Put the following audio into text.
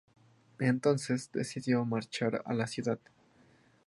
Entonces, decidió marchar a la ciudad.